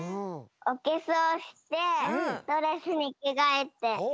おけしょうしてドレスにきがえて。